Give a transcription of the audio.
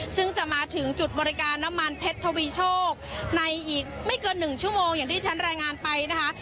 ซึ่งจะมาถึงจุดบริการน้ำมันเพชรทวีโชคในอีกไม่เกิน๑ชั่วโมงอย่างที่ฉันรายงานไปนะคะ